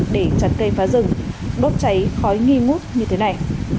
để chặt cây phá rừng đốt cháy khói nghi ngút như thế này